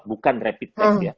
bukan rapid test ya